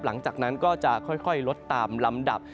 หลังจากนั้นก็จะค่อยลดตามลำดับ